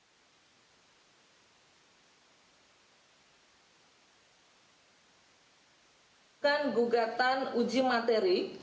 ada beberapa perusahaan yang menentukan ujian materi